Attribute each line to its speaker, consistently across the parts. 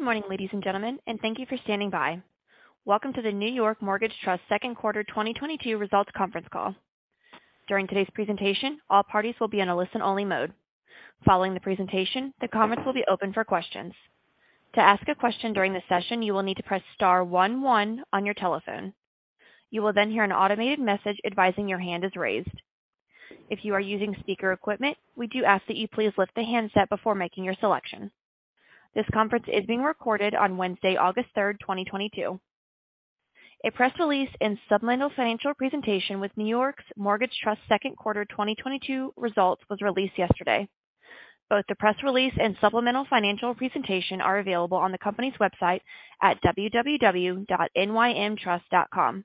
Speaker 1: Good morning, ladies and gentlemen, and thank you for standing by. Welcome to the New York Mortgage Trust second quarter 2022 results conference call. During today's presentation, all parties will be in a listen-only mode. Following the presentation, the conference will be open for questions. To ask a question during this session, you will need to press star one one on your telephone. You will then hear an automated message advising your hand is raised. If you are using speaker equipment, we do ask that you please lift the handset before making your selection. This conference is being recorded on Wednesday, August 3rd, 2022. A press release and supplemental financial presentation with New York Mortgage Trust's second quarter 2022 results was released yesterday. Both the press release and supplemental financial presentation are available on the company's website at www.nymtrust.com.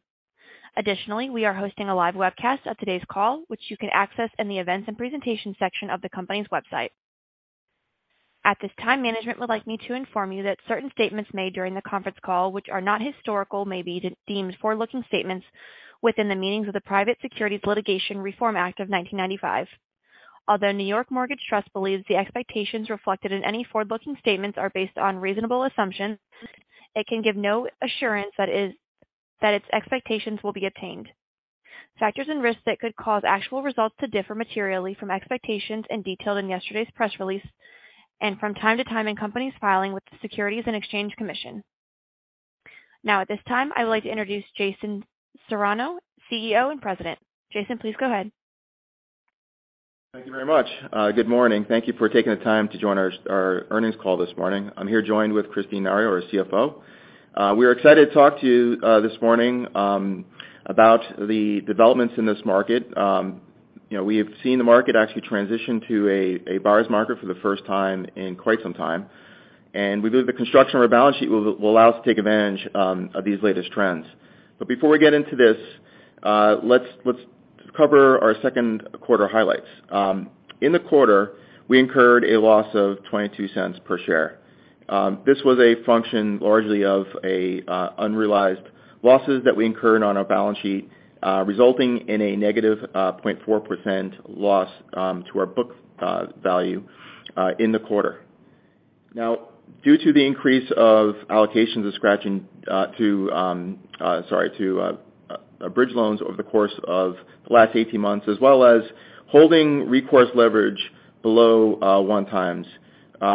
Speaker 1: Additionally, we are hosting a live webcast of today's call, which you can access in the Events and Presentation section of the company's website. At this time, management would like me to inform you that certain statements made during the conference call, which are not historical, may be deemed forward-looking statements within the meaning of the Private Securities Litigation Reform Act of 1995. Although Adamas Trust believes the expectations reflected in any forward-looking statements are based on reasonable assumptions, it can give no assurance that its expectations will be obtained. Factors and risks that could cause actual results to differ materially from expectations are detailed in yesterday's press release and from time to time in the company's filings with the Securities and Exchange Commission. Now, at this time, I would like to introduce Jason Serrano, CEO and President. Jason, please go ahead.
Speaker 2: Thank you very much. Good morning. Thank you for taking the time to join our earnings call this morning. I'm here joined with Kristine Nario, our CFO. We're excited to talk to you this morning about the developments in this market. You know, we have seen the market actually transition to a buyer's market for the first time in quite some time. We believe the construction of our balance sheet will allow us to take advantage of these latest trends. Before we get into this, let's cover our second quarter highlights. In the quarter, we incurred a loss of $0.22 per share. This was a function largely of unrealized losses that we incurred on our balance sheet, resulting in a negative 0.4% loss to our book value in the quarter. Due to the increase of allocations of scratch-and-dent to bridge loans over the course of the last 18 months, as well as holding recourse leverage below 1x,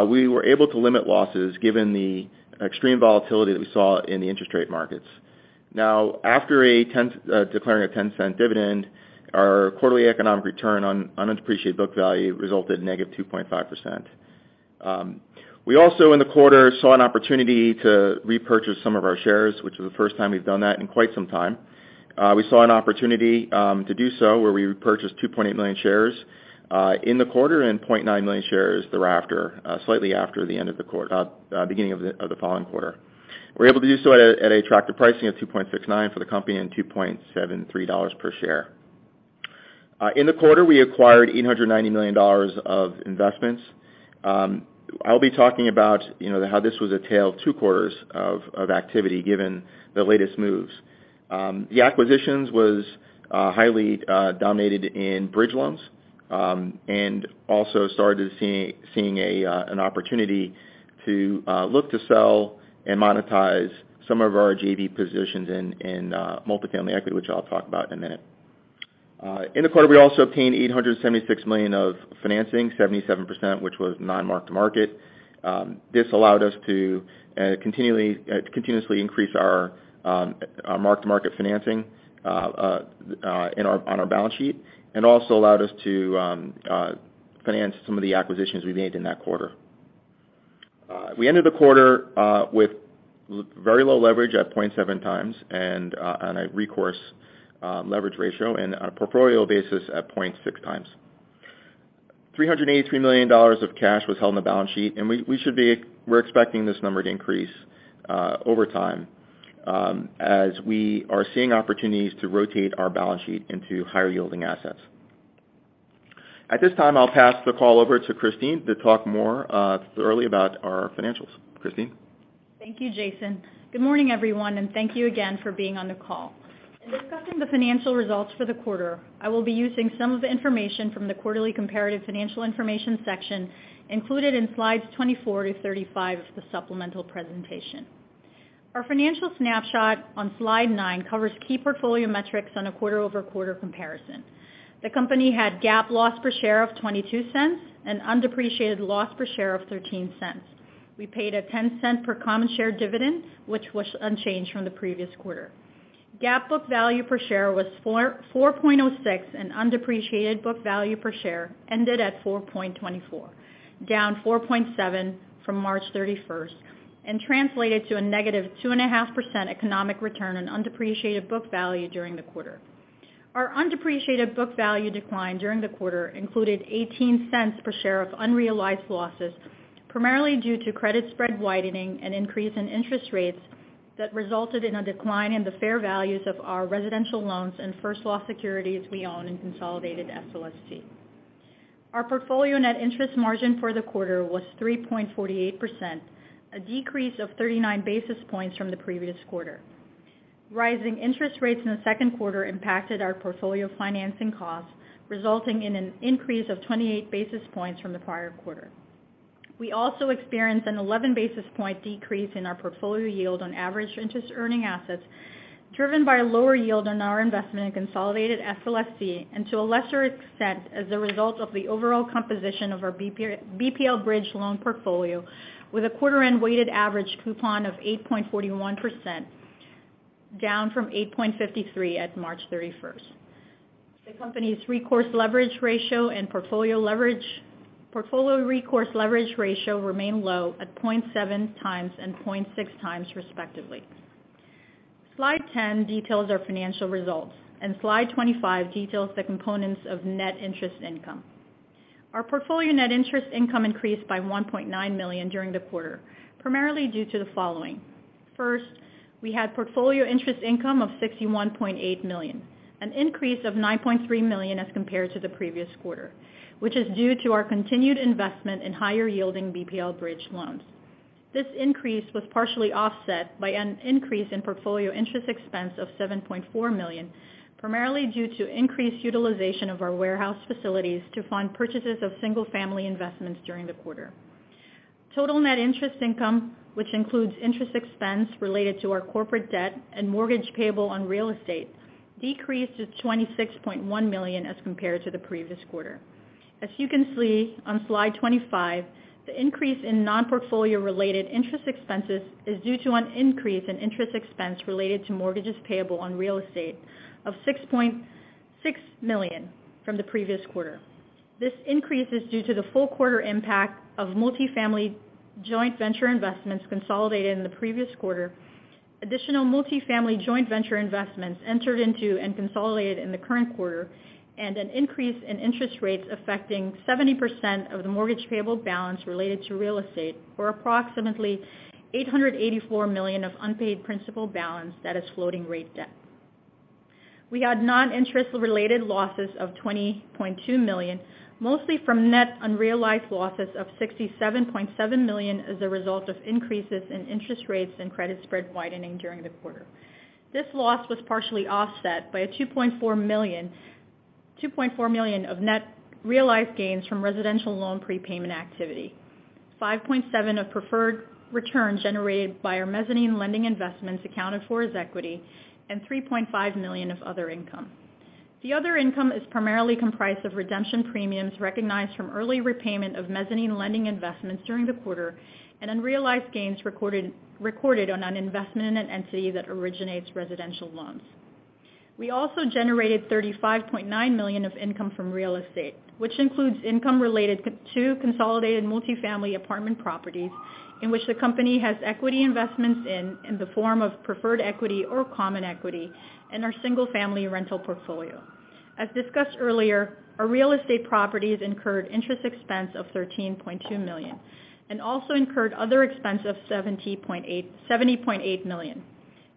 Speaker 2: we were able to limit losses given the extreme volatility that we saw in the interest rate markets. After declaring a $0.10 dividend, our quarterly economic return on undepreciated book value resulted negative 2.5%. We also, in the quarter, saw an opportunity to repurchase some of our shares, which was the first time we've done that in quite some time. We saw an opportunity to do so, where we repurchased 2.8 million shares in the quarter and 0.9 million shares thereafter, slightly after the end of the quarter, beginning of the following quarter. We were able to do so at an attractive pricing of 2.69 for the company and $2.73 per share. In the quarter, we acquired $890 million of investments. I'll be talking about, you know, how this was a tale of two quarters of activity given the latest moves. The acquisitions was highly dominated in bridge loans, and also started seeing an opportunity to look to sell and monetize some of our JV positions in multifamily equity, which I'll talk about in a minute. In the quarter, we also obtained $876 million of financing, 77% which was non-mark-to-market. This allowed us to continuously increase our mark-to-market financing on our balance sheet, and also allowed us to finance some of the acquisitions we made in that quarter. We ended the quarter with very low leverage at 0.7 times and on a recourse leverage ratio and a proportional basis at 0.6 times. $383 million of cash was held on the balance sheet, and we're expecting this number to increase over time as we are seeing opportunities to rotate our balance sheet into higher-yielding assets. At this time, I'll pass the call over to Kristine to talk more thoroughly about our financials. Kristine?
Speaker 3: Thank you, Jason. Good morning, everyone, and thank you again for being on the call. In discussing the financial results for the quarter, I will be using some of the information from the quarterly comparative financial information section included in slides 24-35 of the supplemental presentation. Our financial snapshot on slide nine covers key portfolio metrics on a quarter-over-quarter comparison. The company had GAAP loss per share of $0.22 and undepreciated loss per share of $0.13. We paid a $0.10 per common share dividend, which was unchanged from the previous quarter. GAAP book value per share was $4.06, and undepreciated book value per share ended at $4.24, down $4.7 from March 31st, and translated to a -2.5% economic return on undepreciated book value during the quarter. Our undepreciated book value decline during the quarter included $0.18 per share of unrealized losses, primarily due to credit spread widening and increase in interest rates that resulted in a decline in the fair values of our residential loans and first loss securities we own in consolidated SLST. Our portfolio net interest margin for the quarter was 3.48%, a decrease of 39 basis points from the previous quarter. Rising interest rates in the second quarter impacted our portfolio financing costs, resulting in an increase of 28 basis points from the prior quarter. We also experienced an 11 basis point decrease in our portfolio yield on average interest earning assets, driven by a lower yield on our investment in consolidated SLST and to a lesser extent as a result of the overall composition of our BPL bridge loan portfolio with a quarter end weighted average coupon of 8.41%, down from 8.53% at March 31st. The company's recourse leverage ratio and portfolio recourse leverage ratio remained low at 0.7x and 0.6x respectively. Slide 10 details our financial results, and slide 25 details the components of net interest income. Our portfolio net interest income increased by $1.9 million during the quarter, primarily due to the following. First, we had portfolio interest income of $61.8 million, an increase of $9.3 million as compared to the previous quarter, which is due to our continued investment in higher yielding BPL bridge loans. This increase was partially offset by an increase in portfolio interest expense of $7.4 million, primarily due to increased utilization of our warehouse facilities to fund purchases of single-family investments during the quarter. Total net interest income, which includes interest expense related to our corporate debt and mortgage payable on real estate, decreased to $26.1 million as compared to the previous quarter. As you can see on slide 25, the increase in non-portfolio-related interest expenses is due to an increase in interest expense related to mortgages payable on real estate of $6.6 million from the previous quarter. This increase is due to the full quarter impact of multifamily joint venture investments consolidated in the previous quarter, additional multifamily joint venture investments entered into and consolidated in the current quarter, and an increase in interest rates affecting 70% of the mortgage payable balance related to real estate, or approximately $884 million of unpaid principal balance that is floating rate debt. We had non-interest related losses of $20.2 million, mostly from net unrealized losses of $67.7 million as a result of increases in interest rates and credit spread widening during the quarter. This loss was partially offset by $2.4 million of net realized gains from residential loan prepayment activity, $5.7 million of preferred returns generated by our mezzanine lending investments accounted for as equity, and $3.5 million of other income. The other income is primarily comprised of redemption premiums recognized from early repayment of mezzanine lending investments during the quarter and unrealized gains recorded on an investment in an entity that originates residential loans. We also generated $35.9 million of income from real estate, which includes income related to two consolidated multifamily apartment properties in which the company has equity investments in the form of preferred equity or common equity in our single-family rental portfolio. As discussed earlier, our real estate properties incurred interest expense of $13.2 million and also incurred other expense of $70.8 million.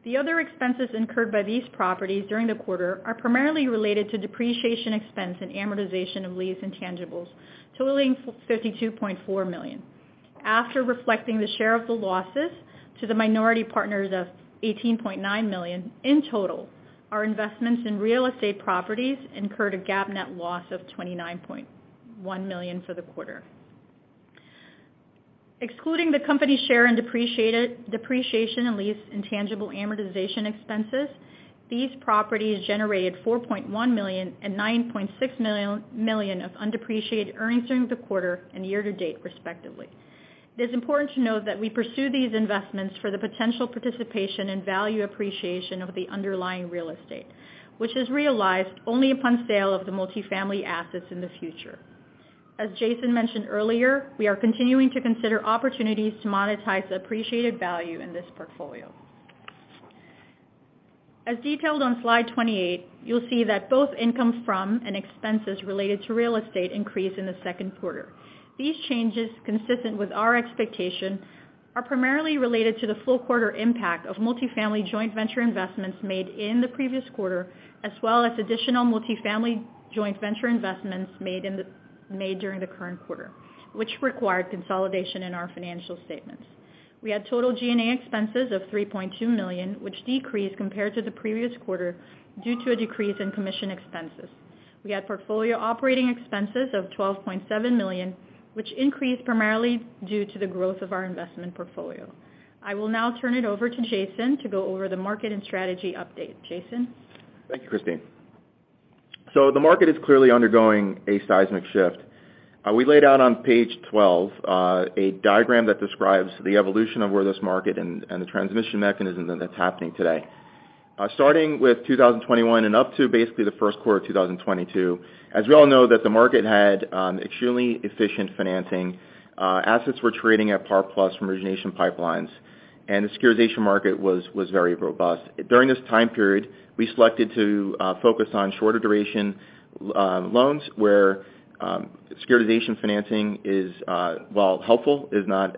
Speaker 3: The other expenses incurred by these properties during the quarter are primarily related to depreciation expense and amortization of lease intangibles totaling $52.4 million. After reflecting the share of the losses to the minority partners of $18.9 million, in total, our investments in real estate properties incurred a GAAP net loss of $29.1 million for the quarter. Excluding the company's share in depreciation and lease intangible amortization expenses, these properties generated $4.1 million and $9.6 million of undepreciated earnings during the quarter and year to date, respectively. It is important to note that we pursue these investments for the potential participation and value appreciation of the underlying real estate, which is realized only upon sale of the multifamily assets in the future. As Jason mentioned earlier, we are continuing to consider opportunities to monetize the appreciated value in this portfolio. As detailed on slide 28, you'll see that both income from and expenses related to real estate increased in the second quarter. These changes, consistent with our expectation, are primarily related to the full quarter impact of multifamily joint venture investments made in the previous quarter, as well as additional multifamily joint venture investments made during the current quarter, which required consolidation in our financial statements. We had total G&A expenses of $3.2 million, which decreased compared to the previous quarter due to a decrease in commission expenses. We had portfolio operating expenses of $12.7 million, which increased primarily due to the growth of our investment portfolio. I will now turn it over to Jason to go over the market and strategy update. Jason?
Speaker 2: Thank you, Kristine. The market is clearly undergoing a seismic shift. We laid out on page 12 a diagram that describes the evolution of where this market and the transmission mechanism that's happening today. Starting with 2021 and up to basically the first quarter of 2022, as we all know that the market had extremely efficient financing, assets were trading at par plus from origination pipelines, and the securitization market was very robust. During this time period, we selected to focus on shorter duration loans where securitization financing is, while helpful, not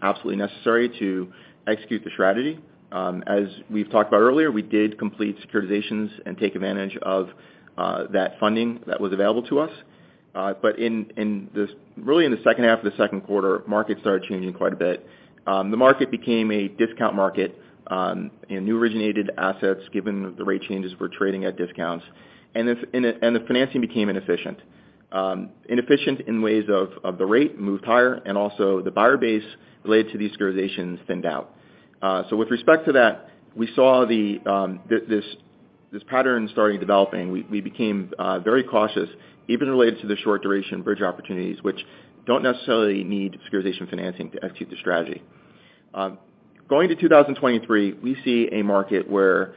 Speaker 2: absolutely necessary to execute the strategy. As we've talked about earlier, we did complete securitizations and take advantage of that funding that was available to us. In this, really in the second half of the second quarter, markets started changing quite a bit. The market became a discount market, and new originated assets, given the rate changes, were trading at discounts. The financing became inefficient. Inefficient in ways of the rate moved higher and also the buyer base related to the securitization thinned out. With respect to that, we saw this pattern starting developing. We became very cautious, even related to the short duration bridge opportunities, which don't necessarily need securitization financing to execute the strategy. Going to 2023, we see a market where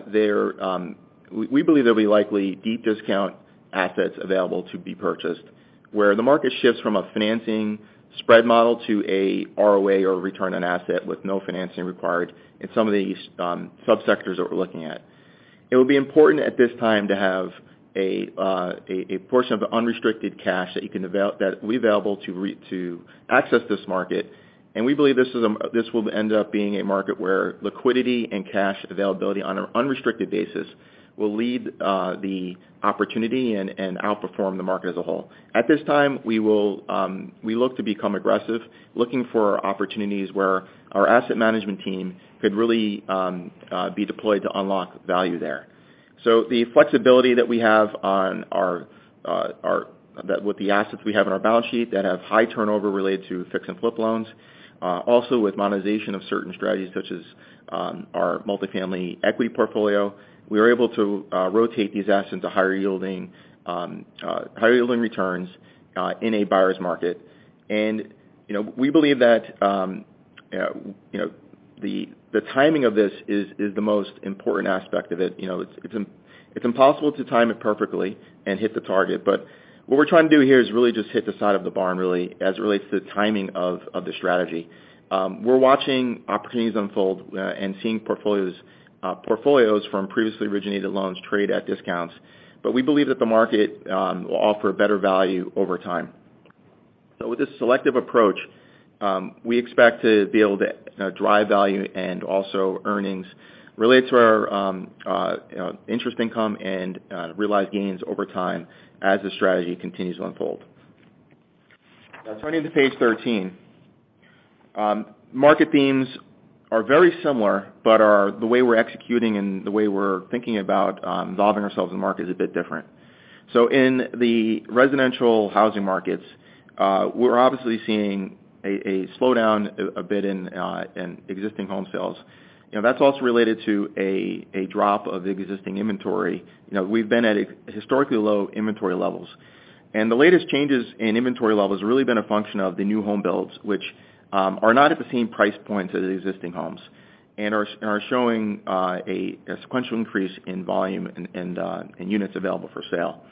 Speaker 2: we believe there'll be likely deep discount assets available to be purchased, where the market shifts from a financing spread model to a ROA or return on asset with no financing required in some of these subsectors that we're looking at. It will be important at this time to have a portion of unrestricted cash that will be available to access this market. We believe this will end up being a market where liquidity and cash availability on an unrestricted basis will lead the opportunity and outperform the market as a whole. At this time, we look to become aggressive, looking for opportunities where our asset management team could really be deployed to unlock value there. The flexibility that we have with the assets we have on our balance sheet that have high turnover related to fix and flip loans, also with monetization of certain strategies such as our multifamily equity portfolio, we are able to rotate these assets into higher yielding returns in a buyer's market. You know, we believe that you know, the timing of this is the most important aspect of it. You know, it's impossible to time it perfectly and hit the target. What we're trying to do here is really just hit the side of the barn as it relates to the timing of the strategy. We're watching opportunities unfold and seeing portfolios from previously originated loans trade at discounts. We believe that the market will offer better value over time. With this selective approach, we expect to be able to, you know, drive value and also earnings related to our, you know, interest income and realized gains over time as the strategy continues to unfold. Now turning to page 13. Market themes are very similar, the way we're executing and the way we're thinking about involving ourselves in the market is a bit different. In the residential housing markets, we're obviously seeing a slowdown a bit in existing home sales. You know, that's also related to a drop of existing inventory. You know, we've been at historically low inventory levels. The latest changes in inventory levels have really been a function of the new home builds, which are not at the same price points as existing homes and are showing a sequential increase in volume and in units available for sale.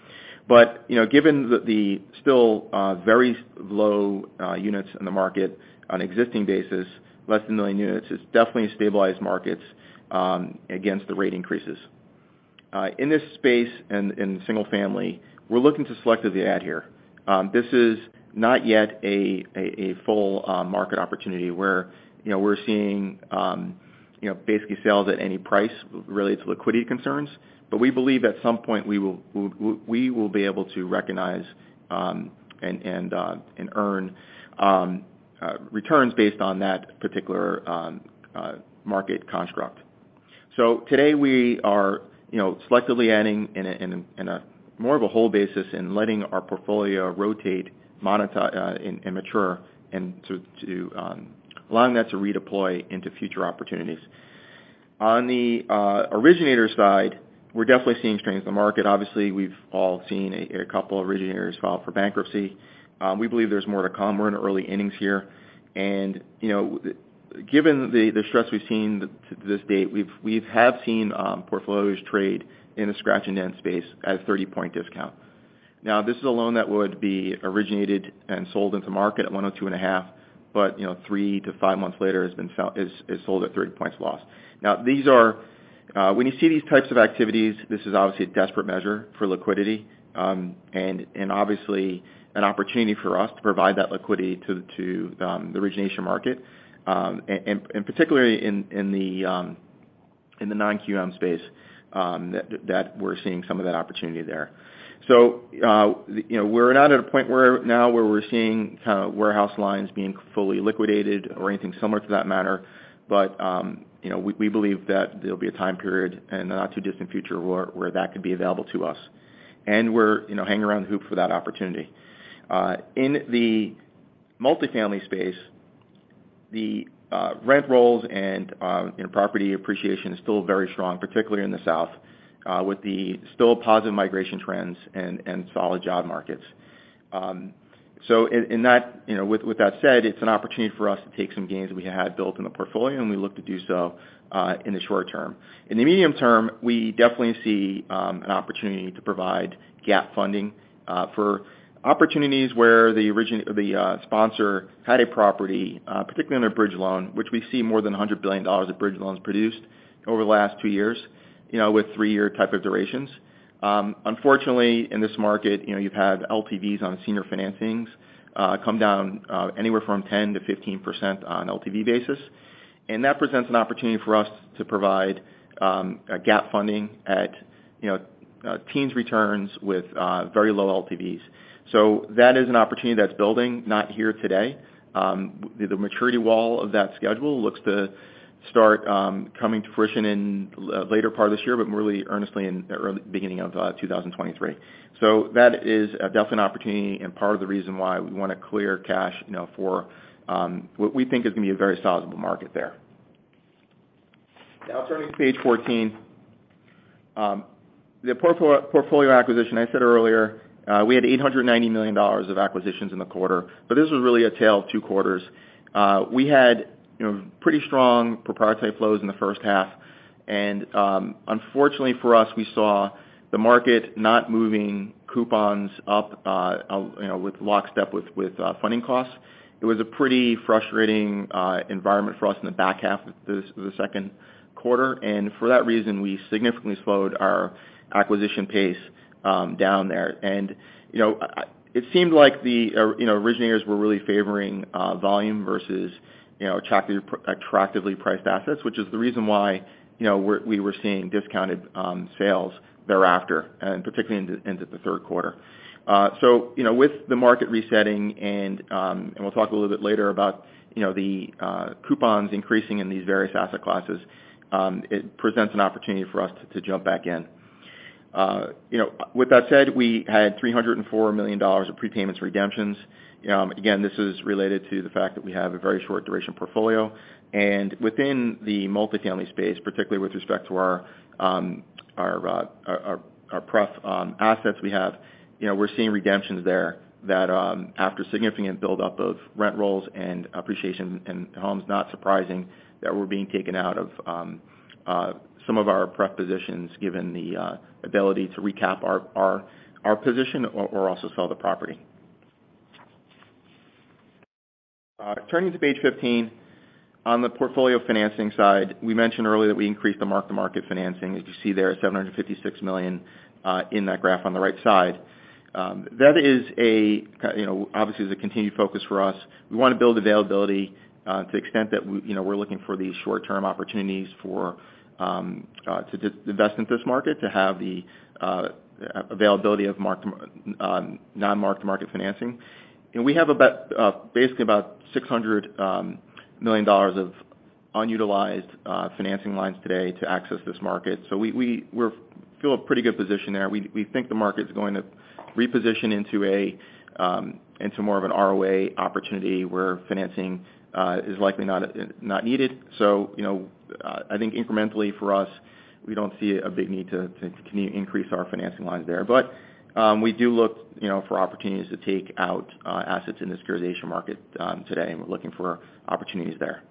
Speaker 2: You know, given the still very low units in the market on existing basis, less than 1 million units, it's definitely stabilized markets against the rate increases. In this space, in single family, we're looking to selectively add here. This is not yet a full market opportunity where, you know, we're seeing, you know, basically sales at any price related to liquidity concerns. We believe at some point, we will be able to recognize and earn returns based on that particular market construct. Today, we are, you know, selectively adding in a more of a whole basis and letting our portfolio rotate, monetize, and mature and allowing that to redeploy into future opportunities. On the originator side, we're definitely seeing strains in the market. Obviously, we've all seen a couple originators file for bankruptcy. We believe there's more to come. We're in early innings here. You know, given the stress we've seen to this date, we have seen portfolios trade in a scratch and dent space at a 30-point discount. Now, this is a loan that would be originated and sold into market at one or 2.5, but you know, three to five months later is sold at 30 points loss. Now, these are when you see these types of activities, this is obviously a desperate measure for liquidity, and obviously an opportunity for us to provide that liquidity to the origination market, and particularly in the non-QM space, that we're seeing some of that opportunity there. You know, we're not at a point where we're seeing kind of warehouse lines being fully liquidated or anything similar to that matter. We believe that there'll be a time period in the not too distant future where that could be available to us. You know, we're hanging around the hoop for that opportunity. In the multifamily space, the rent rolls and, you know, property appreciation is still very strong, particularly in the South, with the still positive migration trends and solid job markets. In that, you know, with that said, it's an opportunity for us to take some gains we had built in the portfolio, and we look to do so in the short term. In the medium term, we definitely see an opportunity to provide gap funding for opportunities where the sponsor had a property, particularly on their bridge loan, which we see more than $100 billion of bridge loans produced over the last two years, you know, with three-year type of durations. Unfortunately, in this market, you know, you've had LTVs on senior financings come down anywhere from 10%-15% on LTV basis. That presents an opportunity for us to provide a gap funding at, you know, teens returns with very low LTVs. That is an opportunity that's building, not here today. The maturity wall of that schedule looks to start coming to fruition in later part of this year, but really earnestly in beginning of 2023. That is definitely an opportunity and part of the reason why we wanna raise cash, you know, for what we think is gonna be a very sizable market there. Now turning to page 14. The portfolio acquisition, I said earlier, we had $890 million of acquisitions in the quarter, but this was really a tale of two quarters. We had, you know, pretty strong proprietary flows in the first half, and unfortunately for us, we saw the market not moving coupons up, you know, in lockstep with funding costs. It was a pretty frustrating environment for us in the back half of the second quarter. For that reason, we significantly slowed our acquisition pace down there. You know, it seemed like, or, you know, originators were really favoring volume versus, you know, attractively priced assets, which is the reason why, you know, we were seeing discounted sales thereafter, and particularly into the third quarter. You know, with the market resetting and we'll talk a little bit later about, you know, the coupons increasing in these various asset classes, it presents an opportunity for us to jump back in. You know, with that said, we had $304 million of prepayments redemptions. Again, this is related to the fact that we have a very short duration portfolio. Within the multifamily space, particularly with respect to our pref assets we have, you know, we're seeing redemptions there that after significant buildup of rent rolls and appreciation in homes, not surprising that we're being taken out of some of our pref positions given the ability to recap our position or also sell the property. Turning to page 15. On the portfolio financing side, we mentioned earlier that we increased the mark-to-market financing, as you see there at $756 million in that graph on the right side. That is, you know, obviously a continued focus for us. We wanna build availability, to the extent that we, you know, we're looking for these short-term opportunities to just invest in this market, to have the availability of non-mark-to-market financing. We have about, basically about $600 million of unutilized financing lines today to access this market. We feel a pretty good position there. We think the market's going to reposition into more of an ROA opportunity, where financing is likely not needed. You know, I think incrementally for us, we don't see a big need to continue to increase our financing lines there. We do look, you know, for opportunities to take out assets in the securitization market today, and we're looking for opportunities there.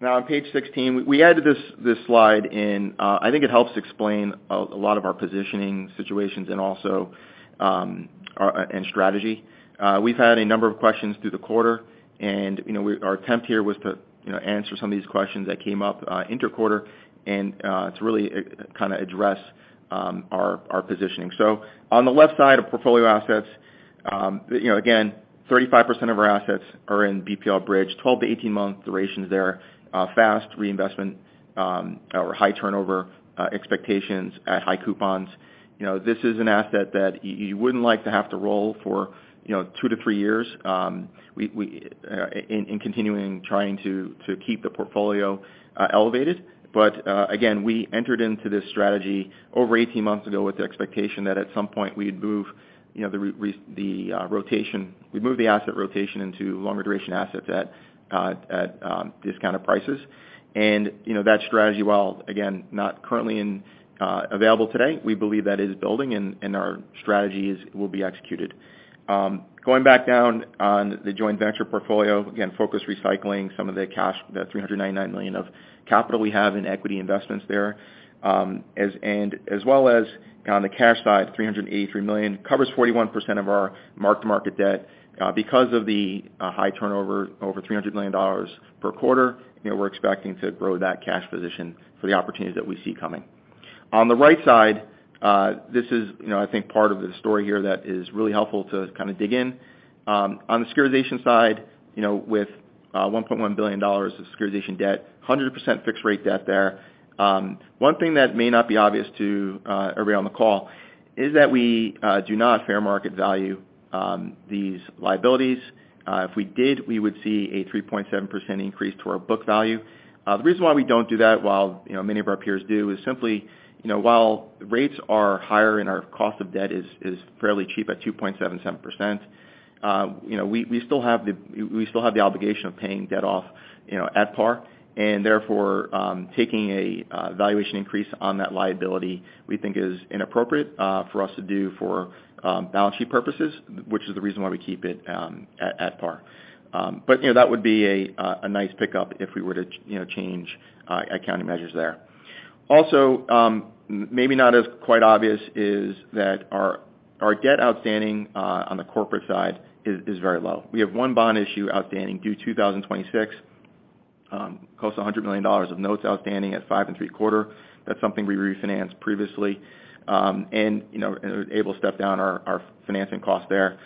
Speaker 2: Now on page sixteen, we added this slide in, I think it helps explain a lot of our positioning situations and also our and strategy. We've had a number of questions through the quarter, and, you know, our attempt here was to, you know, answer some of these questions that came up inter-quarter and to really kinda address our positioning. On the left side of portfolio assets, you know, again, 35% of our assets are in BPL bridge, 12- to 18-month durations there, fast reinvestment or high turnover expectations at high coupons. You know, this is an asset that you wouldn't like to have to roll for, you know, two to three years. We in continuing trying to keep the portfolio elevated. again, we entered into this strategy over 18 months ago with the expectation that at some point we'd move, you know, the rotation into longer duration assets at discounted prices. you know, that strategy, while again, not currently available today, we believe that is building, and our strategies will be executed. going back down on the joint venture portfolio, again, focus recycling some of the cash, the $399 million of capital we have in equity investments there. As well as on the cash side, $383 million covers 41% of our mark-to-market debt, because of the high turnover over $300 million per quarter, you know, we're expecting to grow that cash position for the opportunities that we see coming. On the right side, this is, you know, I think part of the story here that is really helpful to kind of dig in. On the securitization side, you know, with $1.1 billion of securitization debt, 100% fixed rate debt there. One thing that may not be obvious to everybody on the call is that we do not fair value these liabilities. If we did, we would see a 3.7% increase to our book value. The reason why we don't do that, while, you know, many of our peers do, is simply, you know, while rates are higher and our cost of debt is fairly cheap at 2.77%, you know, we still have the obligation of paying debt off, you know, at par, and therefore, taking a valuation increase on that liability, we think is inappropriate for us to do for balance sheet purposes, which is the reason why we keep it at par. You know, that would be a nice pickup if we were to you know, change accounting measures there. Also, maybe not as quite obvious is that our debt outstanding on the corporate side is very low. We have one bond issue outstanding due 2026, close to $100 million of notes outstanding at 5.75%. That's something we refinanced previously, and you know, able to step down our financing costs there.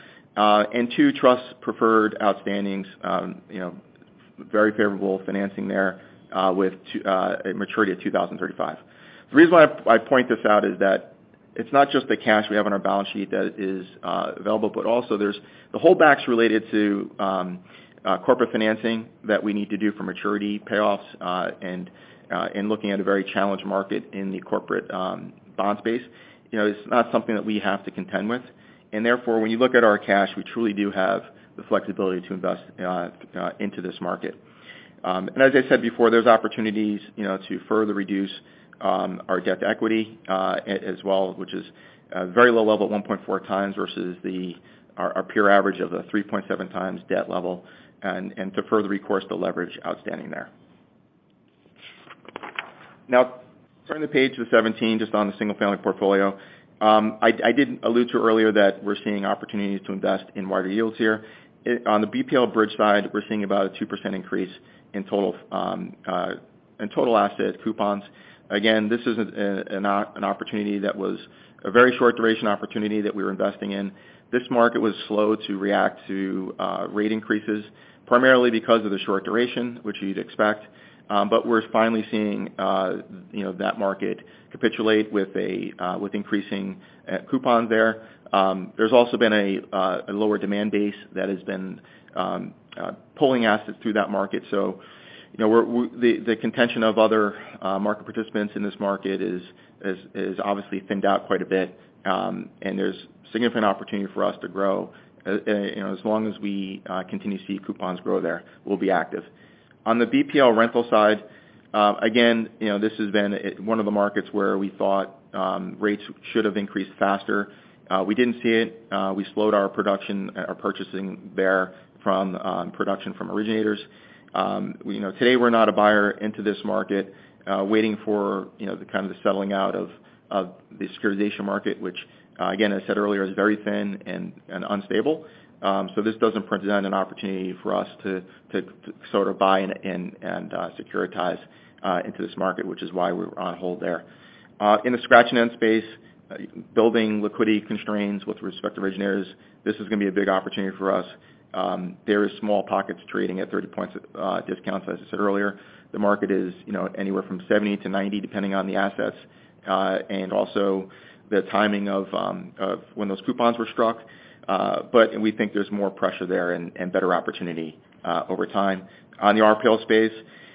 Speaker 2: Two trust preferred outstandings, you know, very favorable financing there, with a maturity of 2035. The reason why I point this out is that it's not just the cash we have on our balance sheet that is available, but also there's the holdbacks related to corporate financing that we need to do for maturity payoffs, and looking at a very challenged market in the corporate bond space. You know, it's not something that we have to contend with. Therefore, when you look at our cash, we truly do have the flexibility to invest into this market. As I said before, there's opportunities, you know, to further reduce our debt-to-equity as well, which is a very low level at 1.4 times versus our peer average of a 3.7 times debt level and to further reduce the leverage outstanding there. Now, turning to page 17, just on the single-family portfolio. I did allude to earlier that we're seeing opportunities to invest in wider yields here. On the BPL bridge side, we're seeing about a 2% increase in total asset coupons. Again, this is an opportunity that was a very short duration opportunity that we were investing in. This market was slow to react to rate increases, primarily because of the short duration, which you'd expect. We're finally seeing, you know, that market capitulate with increasing coupon there. There's also been a lower demand base that has been pulling assets through that market. You know, the contention of other market participants in this market is obviously thinned out quite a bit, and there's significant opportunity for us to grow. You know, as long as we continue to see coupons grow there, we'll be active. On the BPL rental side, again, you know, this has been one of the markets where we thought rates should have increased faster. We didn't see it. We slowed our production, our purchasing there from production from originators. You know, today we're not a buyer into this market, waiting for, you know, the kind of the settling out of the securitization market, which, again, as I said earlier, is very thin and unstable. This doesn't present an opportunity for us to sort of buy and securitize into this market, which is why we're on hold there. In the scratch and dent space, building liquidity constraints with respect to originators, this is gonna be a big opportunity for us. There is small pockets trading at 30 points discount. As I said earlier, the market is, you know, anywhere from 70-90, depending on the assets, and also the timing of when those coupons were struck. We think there's more pressure there and better opportunity over time. On the RPL space,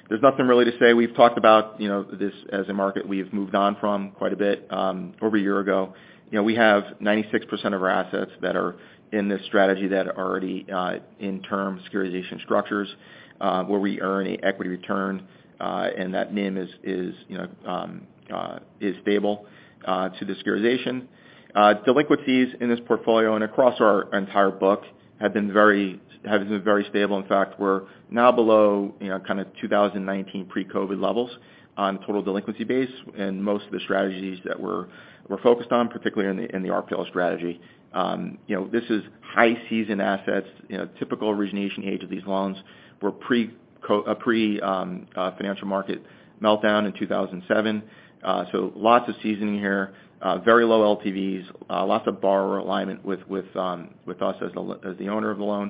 Speaker 2: there's nothing really to say. We've talked about, you know, this as a market we've moved on from quite a bit over a year ago. You know, we have 96% of our assets that are in this strategy that are already in term securitization structures, where we earn equity return, and that NIM is stable to the securitization. Delinquencies in this portfolio and across our entire book have been very stable. In fact, we're now below kind of 2019 pre-COVID levels on total delinquency base and most of the strategies that we're focused on, particularly in the RPL strategy. This is highly seasoned assets. Typical origination age of these loans were pre-financial market meltdown in 2007. So lots of seasoning here, very low LTVs, lots of borrower alignment with us as the owner of the loan.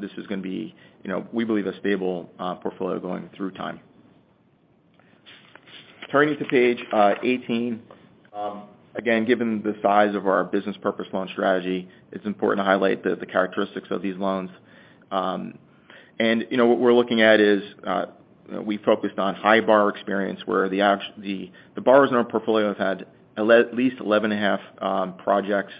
Speaker 2: This is gonna be we believe a stable portfolio going through time. Turning to page 18. Again, given the size of our business purpose loan strategy, it's important to highlight the characteristics of these loans. You know, what we're looking at is we focused on high borrower experience, where the borrowers in our portfolio have had at least 11.5 projects,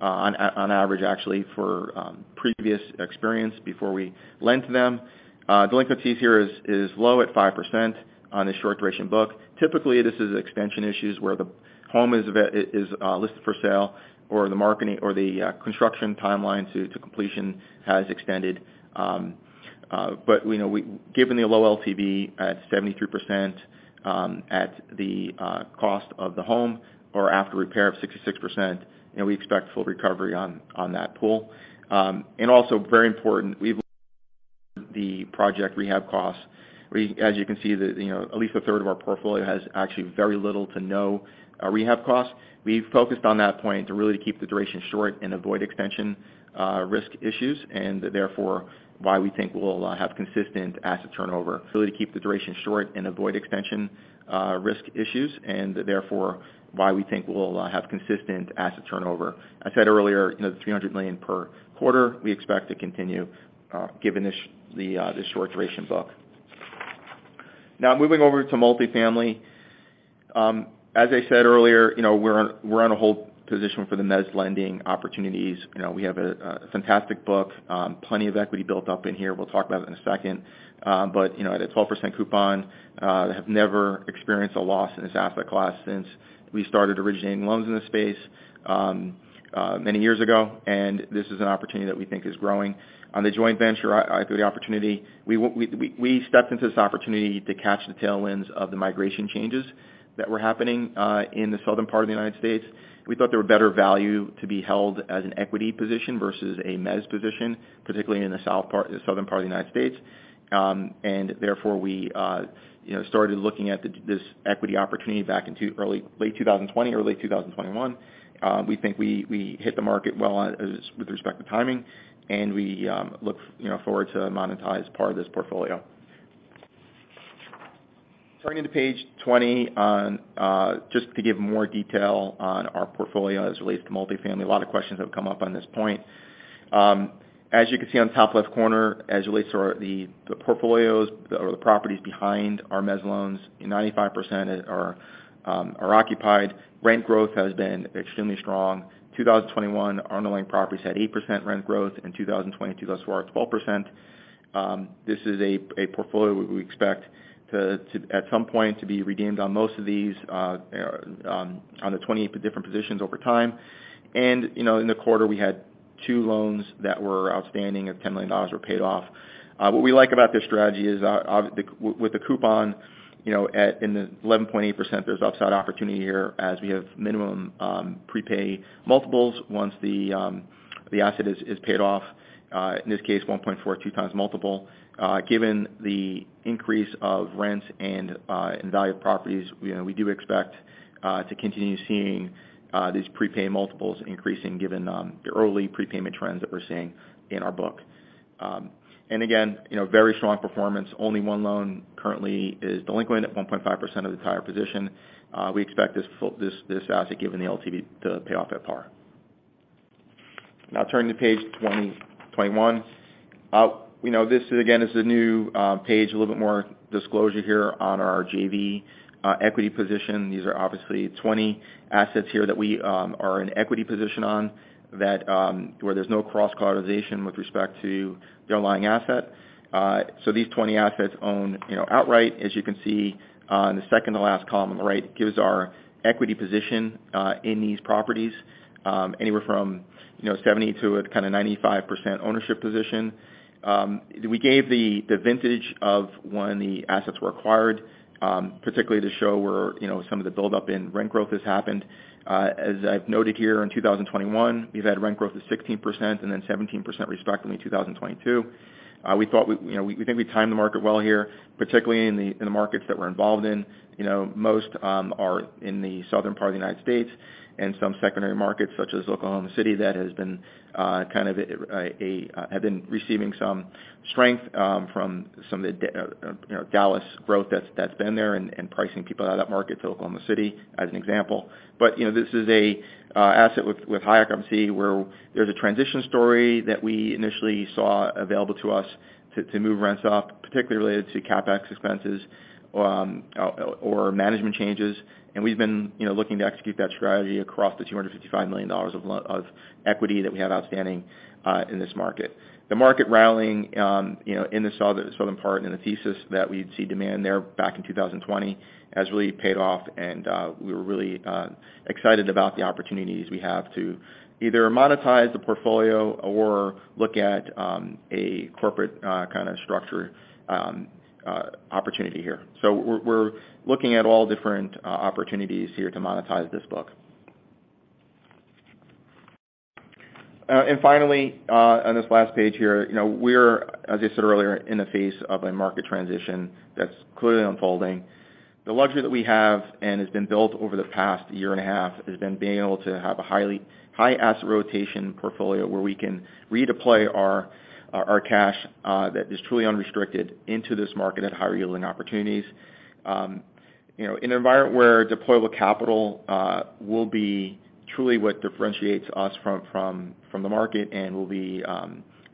Speaker 2: on average, actually, for previous experience before we lend to them. Delinquencies here is low at 5% on the short duration book. Typically, this is extension issues where the home is listed for sale or the marketing or the construction timeline to completion has extended. We know, given the low LTV at 73%, at the cost of the home or after repair of 66%, you know, we expect full recovery on that pool. Also very important, we've the project rehab costs. As you can see, you know, at least a third of our portfolio has actually very little to no rehab costs. We've focused on that point to really keep the duration short and avoid extension risk issues and therefore why we think we'll have consistent asset turnover. I said earlier, you know, the $300 million per quarter we expect to continue, given this, the short duration book. Now, moving over to multifamily. As I said earlier, you know, we're on a hold position for the MEZ lending opportunities. You know, we have a fantastic book. Plenty of equity built up in here. We'll talk about it in a second. You know, at a 12% coupon, have never experienced a loss in this asset class since we started originating loans in this space, many years ago. This is an opportunity that we think is growing. On the joint venture equity opportunity, we stepped into this opportunity to catch the tailwinds of the migration changes that were happening, in the southern part of the United States. We thought there were better value to be held as an equity position versus a MEZ position, particularly in the southern part of the United States. Therefore, we, you know, started looking at this equity opportunity back in late 2020, early 2021. We think we hit the market well on as with respect to timing, and we look, you know, forward to monetize part of this portfolio. Turning to page 20, just to give more detail on our portfolio as it relates to multifamily. A lot of questions have come up on this point. As you can see on the top left corner, as it relates to our portfolios or the properties behind our MEZ loans, 95% are occupied. Rent growth has been extremely strong. 2021, underlying properties had 8% rent growth. In 2022, thus far, 12%. This is a portfolio we expect to, at some point, be redeemed on most of these on the 28 different positions over time. You know, in the quarter, we had two loans that were outstanding of $10 million were paid off. What we like about this strategy is with the coupon, you know, at 11.8%, there's upside opportunity here as we have minimum prepay multiples once the asset is paid off, in this case 1.42x multiple. Given the increase of rents and value of properties, you know, we do expect to continue seeing these prepay multiples increasing given the early prepayment trends that we're seeing in our book. Again, you know, very strong performance. Only 1 loan currently is delinquent at 1.5% of the entire position. We expect this asset given the LTV to pay off at par. Now turning to page 21. We know this, again, is a new page, a little bit more disclosure here on our JV equity position. These are obviously 20 assets here that we are in equity position on that where there's no cross-collateralization with respect to the underlying asset. These 20 assets own, you know, outright. As you can see, in the second to last column on the right, it gives our equity position in these properties anywhere from, you know, 70% to kinda 95% ownership position. We gave the vintage of when the assets were acquired, particularly to show where, you know, some of the buildup in rent growth has happened. As I've noted here, in 2021, we've had rent growth of 16% and then 17% respectively in 2022. We think we timed the market well here, particularly in the markets that we're involved in. You know, most are in the southern part of the United States and some secondary markets such as Oklahoma City that have been receiving some strength from some of the Dallas growth that's been there and pricing people out of that market to Oklahoma City, as an example. You know, this is an asset with higher occupancy, where there's a transition story that we initially saw available to us to move rents up, particularly related to CapEx expenses or management changes. We've been, you know, looking to execute that strategy across the $255 million of equity that we have outstanding in this market. The market rallying, you know, in the southern part and the thesis that we'd see demand there back in 2020 has really paid off, and we were really excited about the opportunities we have to either monetize the portfolio or look at a corporate kinda structure opportunity here. We're looking at all different opportunities here to monetize this book. Finally, on this last page here, you know, we're, as I said earlier, in the face of a market transition that's clearly unfolding. The luxury that we have and has been built over the past year and a half has been being able to have a high asset rotation portfolio where we can redeploy our cash that is truly unrestricted into this market at higher yielding opportunities. You know, in an environment where deployable capital will be truly what differentiates us from the market and will be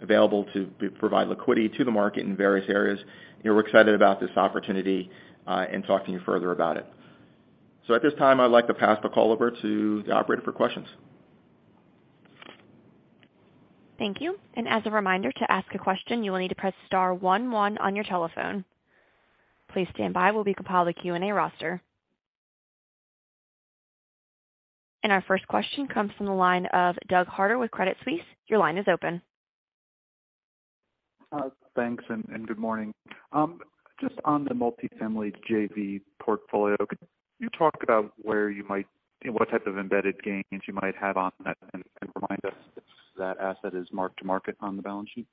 Speaker 2: available to provide liquidity to the market in various areas. You know, we're excited about this opportunity and talk to you further about it. At this time, I'd like to pass the call over to the operator for questions.
Speaker 1: Thank you. As a reminder, to ask a question, you will need to press star one one on your telephone. Please stand by while we compile the Q&A roster. Our first question comes from the line of Doug Harter with Credit Suisse. Your line is open.
Speaker 4: Thanks and good morning. Just on the multifamily JV portfolio, could you talk about where you might, what type of embedded gains you might have on that? Remind us if that asset is mark-to-market on the balance sheet.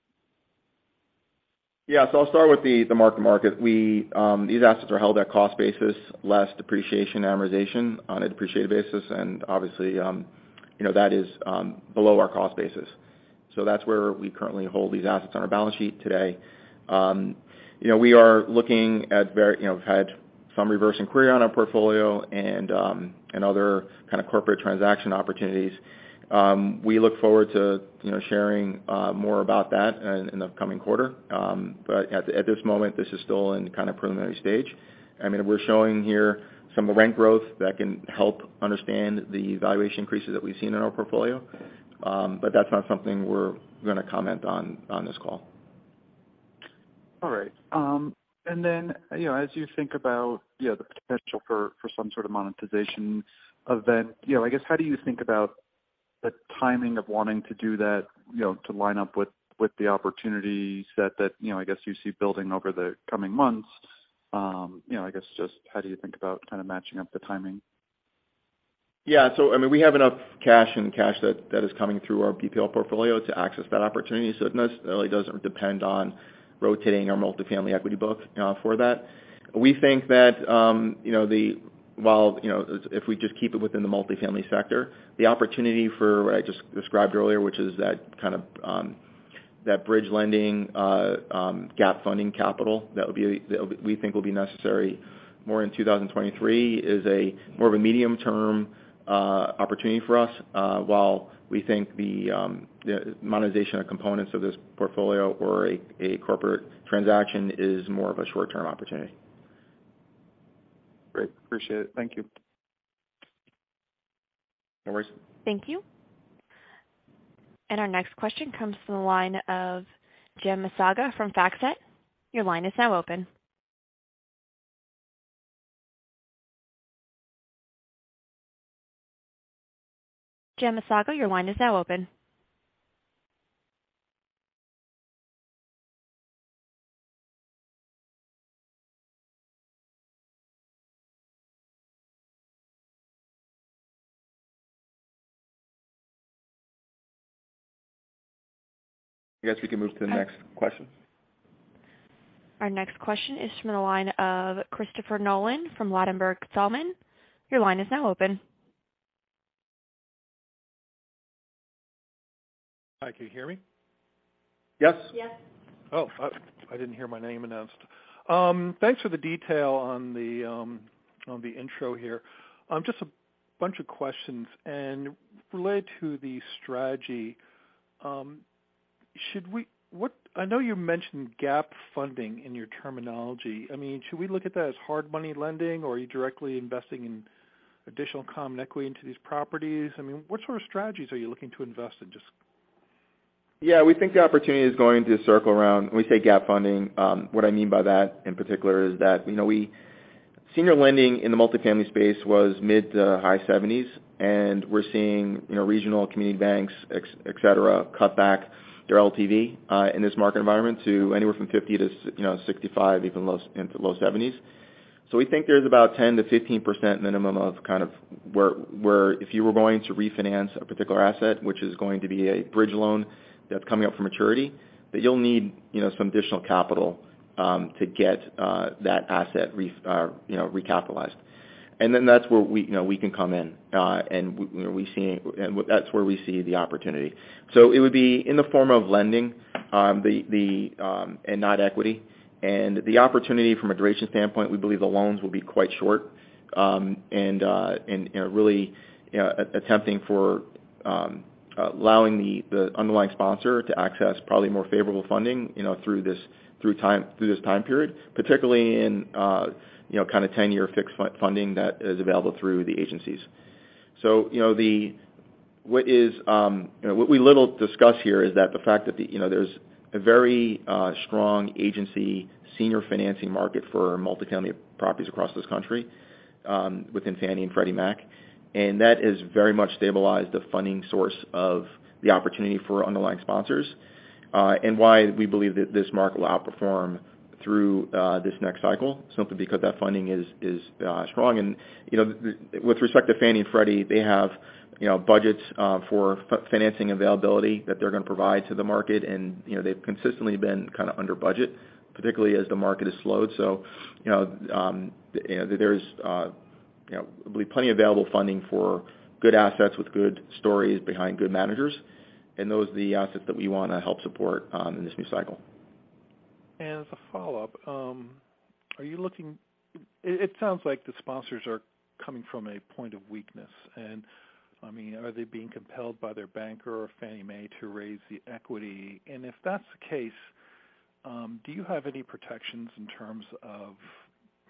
Speaker 4: Yeah. I'll start with the mark-to-market. These assets are held at cost basis, less depreciation, amortization on a depreciated basis. Obviously, you know, that is below our cost basis. That's where we currently hold these assets on our balance sheet today. You know, we are looking at very, you know, we've had some reverse inquiry on our portfolio and other kinda corporate transaction opportunities. We look forward to, you know, sharing more about that in the coming quarter.
Speaker 2: At this moment, this is still in the kinda preliminary stage. I mean, we're showing here some rent growth that can help understand the valuation increases that we've seen in our portfolio. That's not something we're gonna comment on this call. All right. You know, as you think about you know the potential for some sort of monetization event, you know, I guess, how do you think about the timing of wanting to do that, you know, to line up with the opportunities that you know, I guess, you see building over the coming months? You know, I guess just how do you think about kinda matching up the timing? Yeah. I mean, we have enough cash and cash that is coming through our BPL portfolio to access that opportunity. It necessarily doesn't depend on rotating our multifamily equity book, for that. We think that, you know, if we just keep it within the multifamily sector, the opportunity for what I just described earlier, which is that kind of, that bridge lending, gap funding capital, that we think will be necessary more in 2023 is more of a medium-term opportunity for us, while we think the monetization of components of this portfolio or a corporate transaction is more of a short-term opportunity. Great. Appreciate it. Thank you. No worries.
Speaker 1: Thank you. Our next question comes from the line of Jim Massocca from FactSet. Your line is now open. Jim Massocca, your line is now open.
Speaker 2: I guess we can move to the next question.
Speaker 1: Our next question is from the line of Christopher Nolan from Ladenburg Thalmann. Your line is now open.
Speaker 5: Hi. Can you hear me?
Speaker 2: Yes.
Speaker 3: Yes.
Speaker 5: I didn't hear my name announced. Thanks for the detail on the intro here. Just a bunch of questions. Related to the strategy, I know you mentioned gap funding in your terminology. I mean, should we look at that as hard money lending, or are you directly investing in additional common equity into these properties? I mean, what sort of strategies are you looking to invest in just?
Speaker 2: Yeah, we think the opportunity is going to circle around. When we say gap funding, what I mean by that, in particular, is that, you know, we senior lending in the multifamily space was mid- to high 70s%, and we're seeing, you know, regional community banks, etc., cut back their LTV in this market environment to anywhere from 50%-65%, even low 70s%. We think there's about 10%-15% minimum of kind of where if you were going to refinance a particular asset, which is going to be a bridge loan that's coming up for maturity, that you'll need, you know, some additional capital to get that asset recapitalized. That's where we, you know, we can come in, and we, you know, we're seeing that's where we see the opportunity. It would be in the form of lending, and not equity. The opportunity from a duration standpoint, we believe the loans will be quite short, and, you know, really, you know, attempting for allowing the underlying sponsor to access probably more favorable funding, you know, through this time period, particularly in, you know, kind of 10-year fixed funding that is available through the agencies. What we'll discuss here is that the fact that, you know, there's a very strong agency senior financing market for multifamily properties across this country within Fannie Mae and Freddie Mac, and that has very much stabilized the funding source of the opportunity for underlying sponsors, and why we believe that this market will outperform through this next cycle, simply because that funding is strong. With respect to Fannie Mae and Freddie Mac, they have, you know, budgets for financing availability that they're gonna provide to the market. You know, they've consistently been kinda under budget, particularly as the market has slowed. You know, there's you know, plenty available funding for good assets with good stories behind good managers, and those are the assets that we wanna help support in this new cycle.
Speaker 5: As a follow-up, it sounds like the sponsors are coming from a point of weakness. I mean, are they being compelled by their banker or Fannie Mae to raise the equity? If that's the case, do you have any protections in terms of,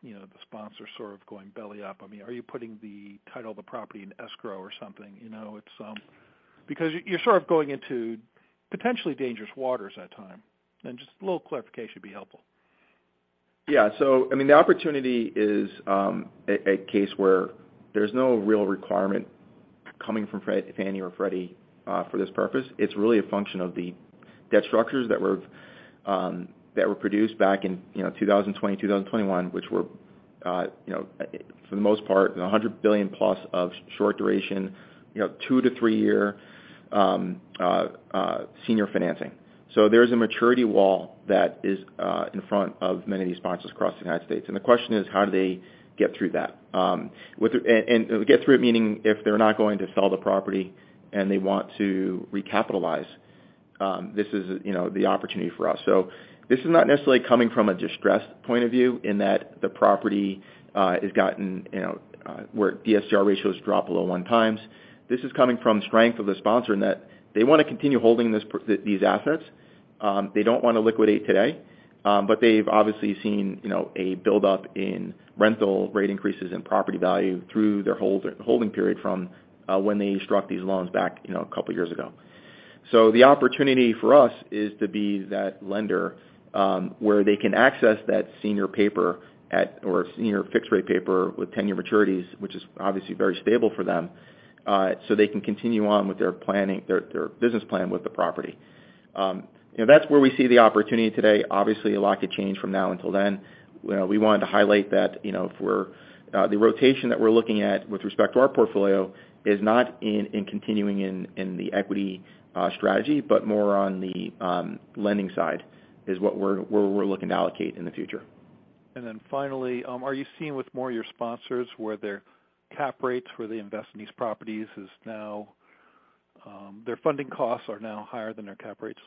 Speaker 5: you know, the sponsor sort of going belly up? I mean, are you putting the title of the property in escrow or something? You know, it's because you're sort of going into potentially dangerous waters at this time, and just a little clarification would be helpful.
Speaker 2: Yeah. I mean, the opportunity is a case where there's no real requirement coming from Fannie or Freddie for this purpose. It's really a function of the debt structures that were produced back in, you know, 2020, 2021, which were, you know, for the most part, $100 billion plus of short duration, you know, two to three-year senior financing. There's a maturity wall that is in front of many of these sponsors across the United States. The question is, how do they get through that? Get through it, meaning if they're not going to sell the property and they want to recapitalize, this is, you know, the opportunity for us. This is not necessarily coming from a distressed point of view in that the property has gotten, you know, where DSCR ratios drop below 1 times. This is coming from strength of the sponsor in that they wanna continue holding these assets. They don't wanna liquidate today, but they've obviously seen, you know, a buildup in rental rate increases in property value through their holding period from when they struck these loans back, you know, a couple years ago. The opportunity for us is to be that lender, where they can access that senior paper at or senior fixed rate paper with 10-year maturities, which is obviously very stable for them, so they can continue on with their planning, their business plan with the property. You know, that's where we see the opportunity today. Obviously, a lot could change from now until then. You know, we wanted to highlight that, you know, the rotation that we're looking at with respect to our portfolio is not continuing in the equity strategy, but more on the lending side is what we're looking to allocate in the future.
Speaker 5: Finally, are you seeing with more of your sponsors where their cap rates, where they invest in these properties is now, their funding costs are now higher than their cap rates?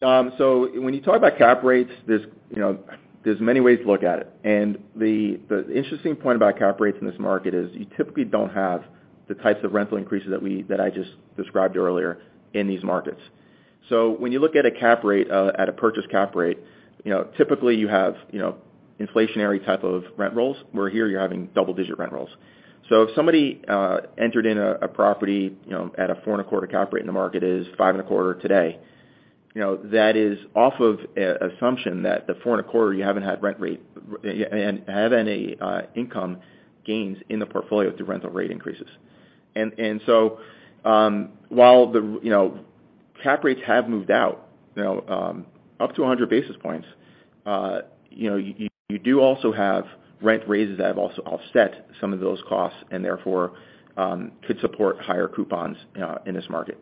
Speaker 2: When you talk about cap rates, there's, you know, there's many ways to look at it. The interesting point about cap rates in this market is you typically don't have the types of rental increases that I just described earlier in these markets. When you look at a cap rate at a purchase cap rate, you know, typically you have, you know, inflationary type of rent rolls, where here you're having double-digit rent rolls. If somebody entered in a property, you know, at a 4.25 cap rate and the market is 5.25 today, you know, that is off of an assumption that the 4.25 you haven't had rental rate and haven't any income gains in the portfolio through rental rate increases. While the cap rates have moved out, you know, up to 100 basis points, you know, you do also have rent raises that have also offset some of those costs, and therefore could support higher coupons in this market.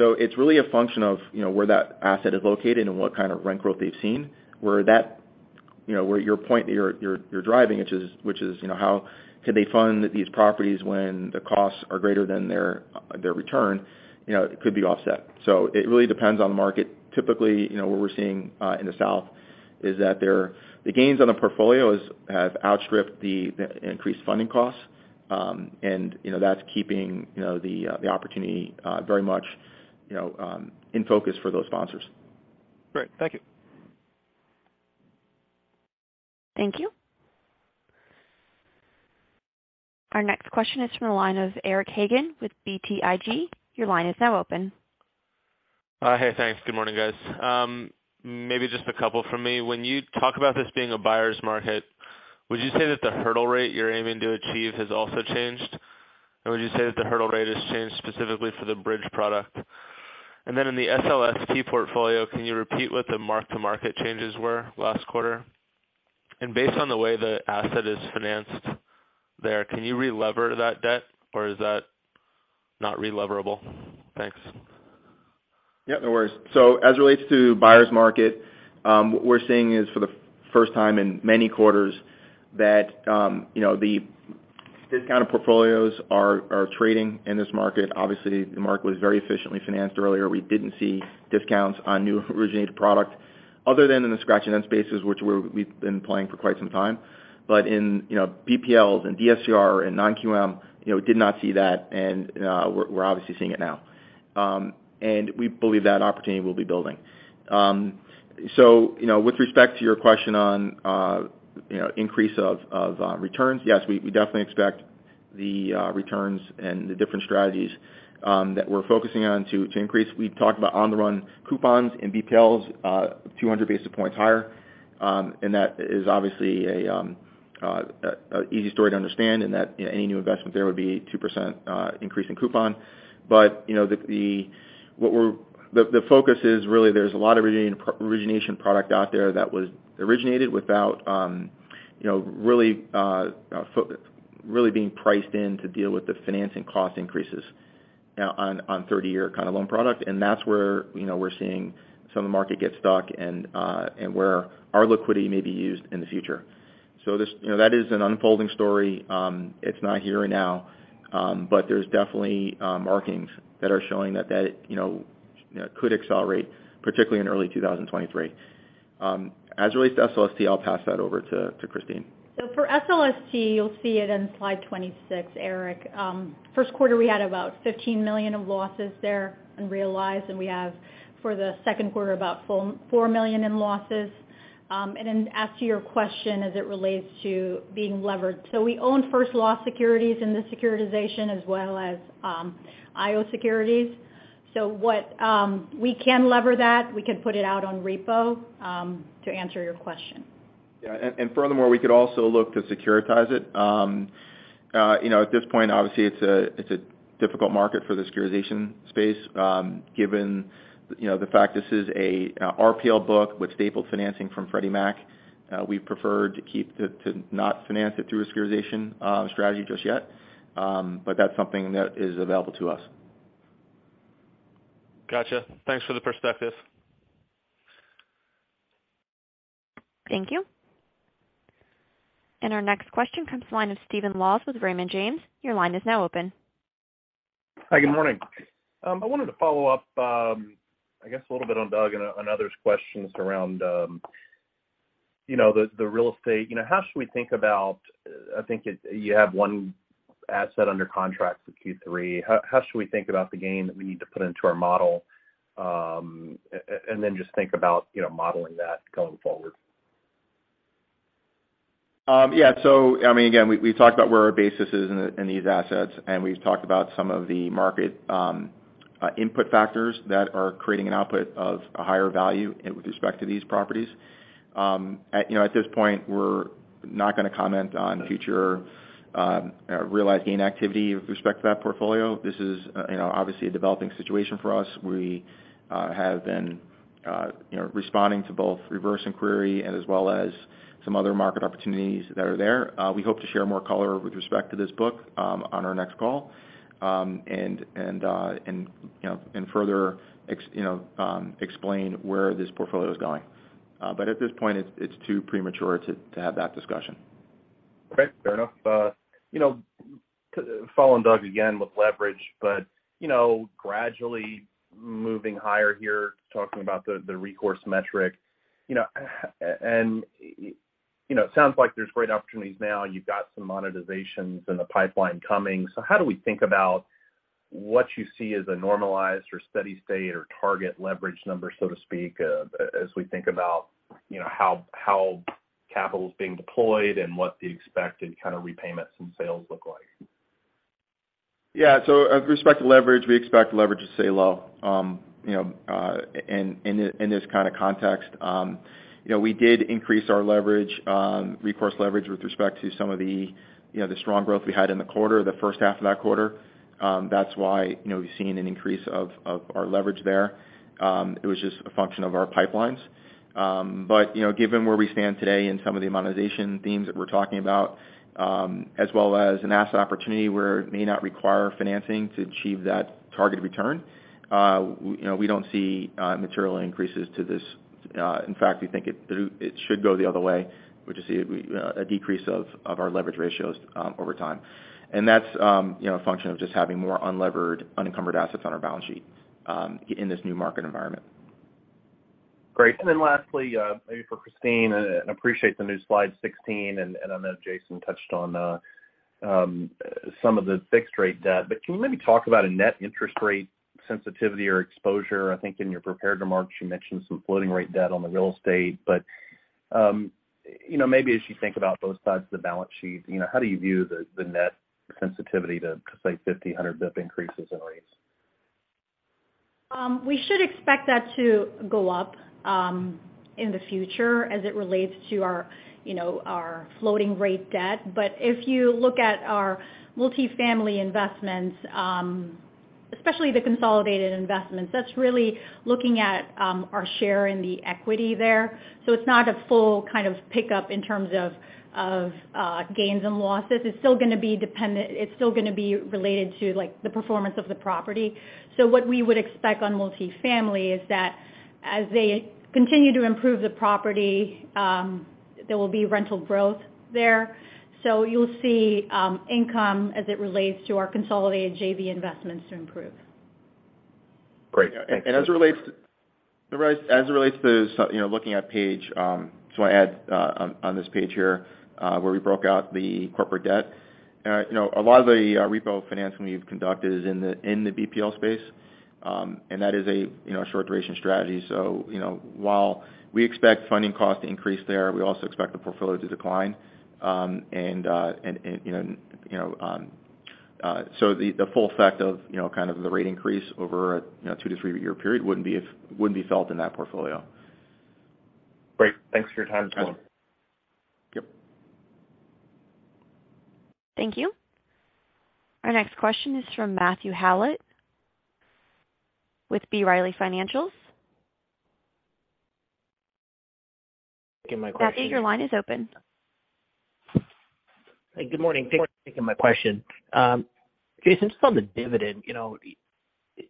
Speaker 2: It's really a function of, you know, where that asset is located and what kind of rent growth they've seen. That, you know, where your point that you're driving, which is, you know, how could they fund these properties when the costs are greater than their return, you know, could be offset. It really depends on the market. Typically, you know, what we're seeing in the South is that the gains on the portfolio have outstripped the increased funding costs. You know, that's keeping, you know, the opportunity very much, you know, in focus for those sponsors.
Speaker 5: Great. Thank you.
Speaker 1: Thank you. Our next question is from the line of Eric Hagen with BTIG. Your line is now open.
Speaker 6: Hey. Thanks. Good morning, guys. Maybe just a couple from me. When you talk about this being a buyer's market, would you say that the hurdle rate you're aiming to achieve has also changed? Would you say that the hurdle rate has changed specifically for the bridge product? In the SLST portfolio, can you repeat what the mark-to-market changes were last quarter? Based on the way the asset is financed there, can you relever that debt or is that not releverable? Thanks.
Speaker 2: Yeah, no worries. As it relates to buyer's market, what we're seeing is for the first time in many quarters that you know the discounted portfolios are trading in this market. Obviously, the market was very efficiently financed earlier. We didn't see discounts on new originated product other than in the scratch and dent spaces, which we've been playing for quite some time. In you know BPLs and DSCR and non-QM you know did not see that, and we're obviously seeing it now. We believe that opportunity will be building. With respect to your question on you know increase of returns, yes, we definitely expect the returns and the different strategies that we're focusing on to increase. We've talked about on-the-run coupons in BPLs, 200 basis points higher. That is obviously an easy story to understand and that any new investment there would be 2% increase in coupon. You know, the focus is really there's a lot of origination product out there that was originated without, you know, really being priced in to deal with the financing cost increases, on 30-year kind of loan product. That's where, you know, we're seeing some of the market get stuck and where our liquidity may be used in the future. This, you know, that is an unfolding story. It's not here right now, but there's definitely markings that are showing that, you know, could accelerate, particularly in early 2023. As it relates to SLST, I'll pass that over to Kristine.
Speaker 3: For SLST, you'll see it in slide 26, Eric. First quarter we had about $15 million of losses there unrealized, and we have for the second quarter about $4 million in losses. As to your question as it relates to being levered. We own first loss securities in the securitization as well as IO securities. What we can lever that, we can put it out on repo to answer your question.
Speaker 2: Yeah. Furthermore, we could also look to securitize it. You know, at this point, obviously it's a difficult market for the securitization space, given you know, the fact this is a RPL book with staple financing from Freddie Mac. We prefer to not finance it through a securitization strategy just yet. That's something that is available to us.
Speaker 6: Gotcha. Thanks for the perspectives.
Speaker 1: Thank you. Our next question comes from the line of Stephen Laws with Raymond James. Your line is now open.
Speaker 7: Hi, good morning. I wanted to follow up, I guess a little bit on Doug and others questions around, you know, the real estate. You know, how should we think about you have one asset under contract for Q3. How should we think about the gain that we need to put into our model, and then just think about, you know, modeling that going forward?
Speaker 2: I mean, again, we talked about where our basis is in these assets, and we've talked about some of the market input factors that are creating an output of a higher value with respect to these properties. At this point, we're not gonna comment on future realized gain activity with respect to that portfolio. This is, you know, obviously a developing situation for us. We have been, you know, responding to both reverse inquiry and as well as some other market opportunities that are there. We hope to share more color with respect to this book on our next call. And, you know, and further explain where this portfolio is going. But at this point, it's too premature to have that discussion.
Speaker 7: Okay. Fair enough. You know, following Doug again with leverage, but, you know, gradually moving higher here, talking about the recourse metric, you know. And, you know, it sounds like there's great opportunities now and you've got some monetizations in the pipeline coming. How do we think about what you see as a normalized or steady state or target leverage number, so to speak, as we think about, you know, how capital is being deployed and what the expected kind of repayments and sales look like?
Speaker 2: Yeah. With respect to leverage, we expect leverage to stay low, you know, in this kind of context. You know, we did increase our leverage, recourse leverage with respect to some of the, you know, the strong growth we had in the quarter, the first half of that quarter. That's why, you know, you've seen an increase of our leverage there. It was just a function of our pipelines. You know, given where we stand today and some of the monetization themes that we're talking about, as well as an asset opportunity where it may not require financing to achieve that targeted return, you know, we don't see material increases to this. In fact, we think it should go the other way, which is a decrease of our leverage ratios over time. That's, you know, a function of just having more unlevered, unencumbered assets on our balance sheet in this new market environment.
Speaker 7: Great. Then lastly, maybe for Kristine, and appreciate the new slide 16, and I know Jason touched on some of the fixed rate debt. Can you maybe talk about a net interest rate sensitivity or exposure? I think in your prepared remarks, you mentioned some floating rate debt on the real estate. You know, maybe as you think about both sides of the balance sheet, you know, how do you view the net sensitivity to, say, 50, 100 BP increases in rates?
Speaker 3: We should expect that to go up in the future as it relates to our, you know, our floating rate debt. If you look at our multifamily investments, especially the consolidated investments, that's really looking at our share in the equity there. It's not a full kind of pickup in terms of gains and losses. It's still gonna be related to, like, the performance of the property. What we would expect on multifamily is that as they continue to improve the property, there will be rental growth there. You'll see income as it relates to our consolidated JV investments to improve.
Speaker 7: Great. Thanks.
Speaker 2: As it relates to, you know, looking at page, just wanna add on this page here where we broke out the corporate debt. You know, a lot of the repo financing we've conducted is in the BPL space, and that is a, you know, short duration strategy. You know, while we expect funding costs to increase there, we also expect the portfolio to decline. You know, so the full effect of, you know, kind of the rate increase over a, you know, two to three-year period wouldn't be felt in that portfolio.
Speaker 7: Great. Thanks for your time.
Speaker 2: Yep.
Speaker 1: Thank you. Our next question is from Matthew Howlett with B. Riley Financial. Matthew, your line is open.
Speaker 8: Good morning. Thanks for taking my question. Jason, just on the dividend, you know,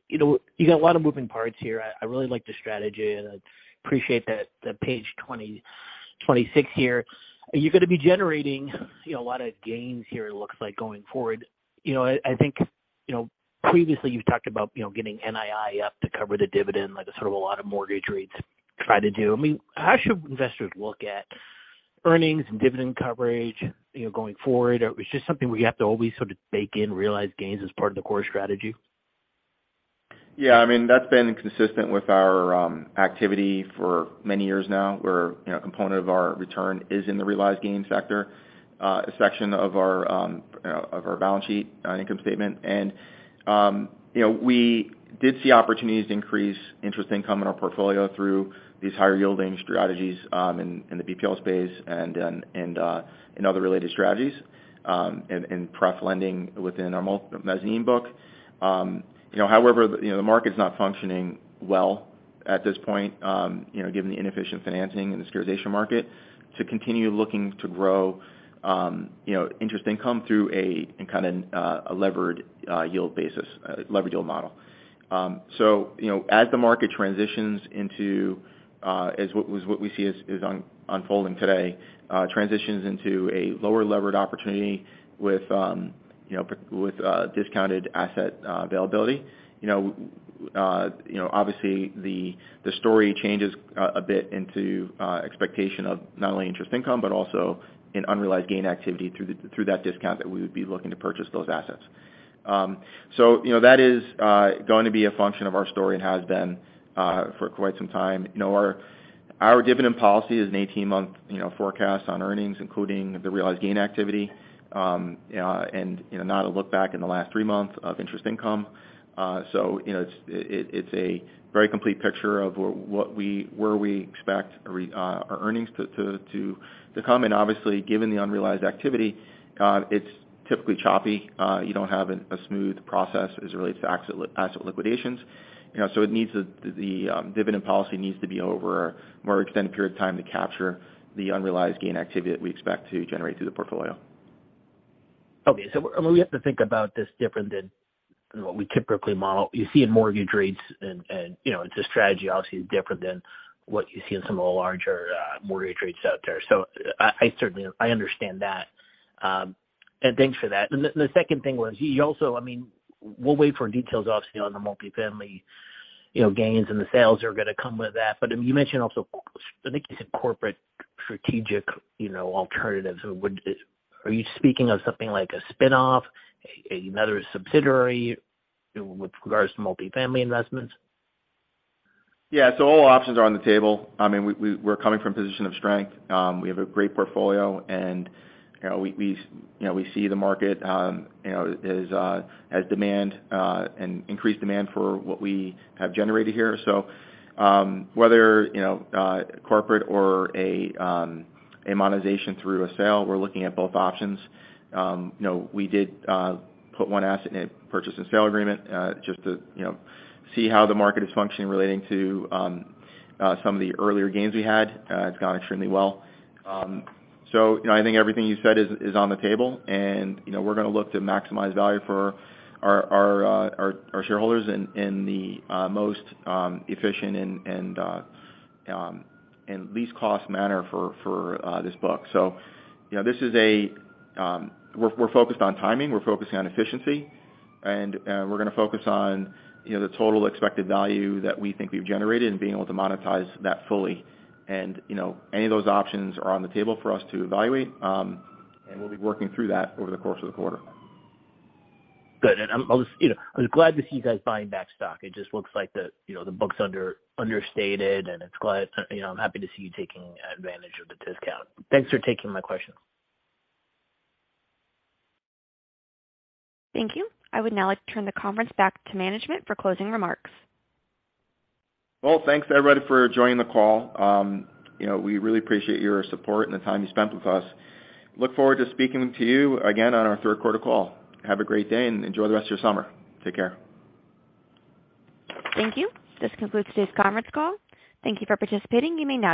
Speaker 8: you got a lot of moving parts here. I really like the strategy, and I appreciate that, the page 26 here. You're gonna be generating, you know, a lot of gains here it looks like going forward. You know, I think, you know, previously you've talked about, you know, getting NII up to cover the dividend like a sort of a lot of mortgage REITs try to do. I mean, how should investors look at earnings and dividend coverage, you know, going forward? Or is it just something we have to always sort of bake in realized gains as part of the core strategy?
Speaker 2: Yeah. I mean, that's been consistent with our activity for many years now, where, you know, a component of our return is in the realized gains factor, a section of our balance sheet and income statement. You know, we did see opportunities to increase interest income in our portfolio through these higher yielding strategies in the BPL space and then in other related strategies in pref lending within our mezzanine book. You know, however, the market's not functioning well at this point, you know, given the inefficient financing in the securitization market to continue looking to grow interest income through, in kind of, a levered yield basis, levered yield model. You know, as the market transitions into what we see unfolding today, a lower levered opportunity with discounted asset availability. You know, obviously the story changes a bit into expectation of not only interest income, but also in unrealized gain activity through that discount that we would be looking to purchase those assets. You know, that is going to be a function of our story and has been for quite some time. You know, our dividend policy is an 18-month forecast on earnings, including the realized gain activity, and not a look back in the last three months of interest income. You know, it's a very complete picture of where we expect our earnings to come. Obviously, given the unrealized activity, it's typically choppy. You don't have a smooth process as it relates to asset liquidations. You know, it needs the dividend policy to be over a more extended period of time to capture the unrealized gain activity that we expect to generate through the portfolio.
Speaker 8: Okay. We have to think about this different than what we typically model. You see in mortgage REITs and, you know, the strategy obviously is different than what you see in some of the larger mortgage REITs out there. I certainly understand that. Thanks for that. The second thing was you also, I mean, we'll wait for details obviously on the multifamily, you know, gains and the sales are gonna come with that. I mean, you mentioned also, I think you said corporate strategic, you know, alternatives. Are you speaking of something like a spinoff, another subsidiary with regards to multifamily investments?
Speaker 2: Yeah. All options are on the table. I mean, we're coming from a position of strength. We have a great portfolio and, you know, we see the market, you know, as demand and increased demand for what we have generated here. Whether, you know, corporate or a monetization through a sale, we're looking at both options. You know, we did put one asset in a purchase and sale agreement, just to, you know, see how the market is functioning relating to some of the earlier gains we had. It's gone extremely well. You know, I think everything you said is on the table and, you know, we're gonna look to maximize value for our shareholders in the most efficient and least cost manner for this book. You know, we're focused on timing, we're focusing on efficiency, and we're gonna focus on, you know, the total expected value that we think we've generated and being able to monetize that fully. You know, any of those options are on the table for us to evaluate, and we'll be working through that over the course of the quarter.
Speaker 8: You know, I was glad to see you guys buying back stock. It just looks like the, you know, the book's understated and it's quite, you know, I'm happy to see you taking advantage of the discount. Thanks for taking my question.
Speaker 1: Thank you. I would now like to turn the conference back to management for closing remarks.
Speaker 2: Well, thanks everybody for joining the call. You know, we really appreciate your support and the time you spent with us. Look forward to speaking to you again on our third quarter call. Have a great day and enjoy the rest of your summer. Take care.
Speaker 1: Thank you. This concludes today's conference call. Thank you for participating. You may now disconnect.